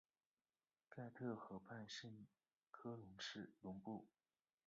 盖特河畔圣科隆布。